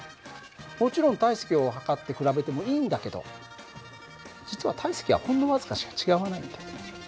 もちろん体積を測って比べてもいいんだけど実は体積はほんの僅かしか違わないんだよ。